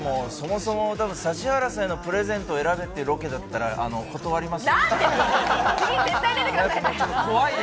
指原さんへのプレゼントを選べという企画だったら断ります。